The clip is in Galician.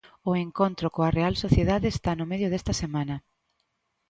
O encontro coa Real Sociedade está no medio desta semana.